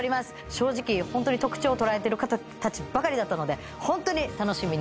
正直特徴を捉えてる方たちばかりだったのでホントに楽しみにしております。